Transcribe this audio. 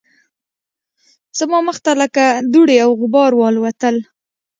زما مخ ته لکه دوړې او غبار والوتل